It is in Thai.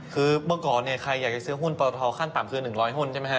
คือเมื่อก่อนเนี่ยใครอยากจะซื้อหุ้นปทขั้นต่ำคือ๑๐๐หุ้นใช่ไหมฮ